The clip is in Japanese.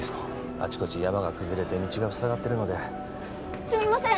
あちこち山が崩れて道が塞がってるのですみません！